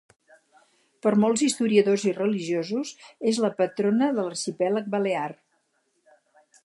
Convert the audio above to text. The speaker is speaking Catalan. Per molts historiadors i religiosos, és la patrona de l'arxipèlag Balear.